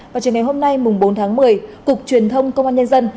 và cho đến hôm nay bốn tháng một mươi cục truyền thông công an nhân dân